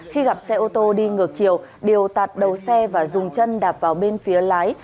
khi gặp xe ô tô đi ngược chiều điều tạt đầu xe và dùng chân đạp vào bên phía lái